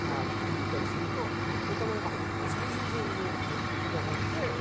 言ったりするとたまに、ああ全然どうぞって言ってくださって。